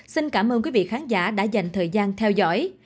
xin cảm ơn quý vị khán giả đã dành thời gian theo dõi